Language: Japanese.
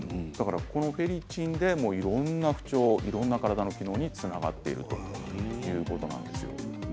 このフェリチンいろんな不調いろんな体の機能につながっているということです。